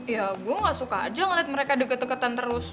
ya gue gak suka aja ngeliat mereka deket deketan terus